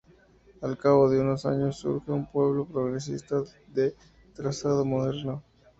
Al cabo de unos años surge un pueblo progresista de trazado moderno.